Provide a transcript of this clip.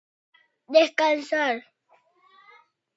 Descansar